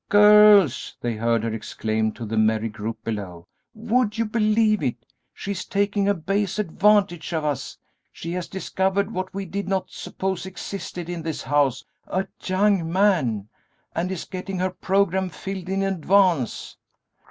"Girls!" they heard her exclaim to the merry group below; "would you believe it? She is taking a base advantage of us; she has discovered what we did not suppose existed in this house a young man and is getting her programme filled in advance!"